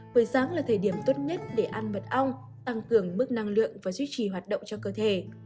buổi sáng là thời điểm tốt nhất để ăn mật ong tăng cường mức năng lượng và duy trì hoạt động cho cơ thể